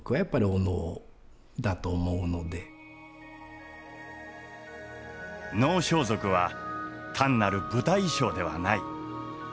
能装束は単なる舞台衣装ではない。